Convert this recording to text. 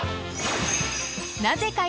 ［なぜか今］